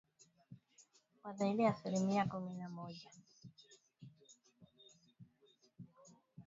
Kwa zaidi ya asilimia kumi na moja kwa bidhaa ya petroli na dizeli, na asilimia ishirini na moja kwa mafuta ya taa.